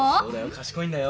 賢いんだよ。